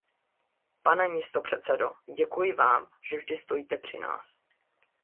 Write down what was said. Pane místopředsedo, děkuji vám, že vždy stojíte při nás.